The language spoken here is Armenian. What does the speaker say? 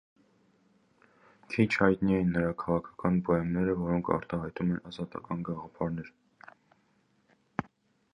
Քիչ հայտնի են նրա քաղաքական պոեմները, որոնք արտահայտում են ազատական գաղափարներ։